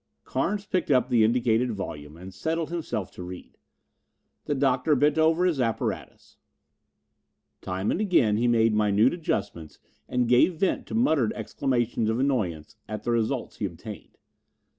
Carnes picked up the indicated volume and settled himself to read. The Doctor bent over his apparatus. Time and again he made minute adjustments and gave vent to muttered exclamations of annoyance at the results he obtained.